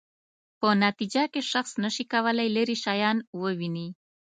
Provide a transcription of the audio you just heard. په نتیجه کې شخص نشي کولای چې لیرې شیان وویني.